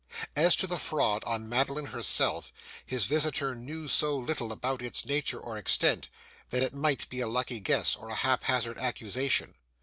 As to the fraud on Madeline herself, his visitor knew so little about its nature or extent, that it might be a lucky guess, or a hap hazard accusation.